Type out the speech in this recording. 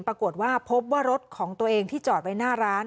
ปรากฏว่าพบว่ารถของตัวเองที่จอดไว้หน้าร้าน